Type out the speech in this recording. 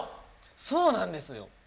そうなんですよ。